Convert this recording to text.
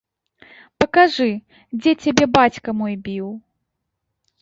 Пакажы, дзе цябе бацька мой біў?